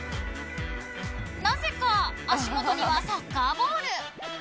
なぜか足元にはサッカーボール。